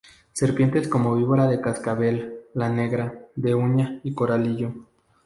Serpientes como víbora de cascabel, la negra, de uña y coralillo.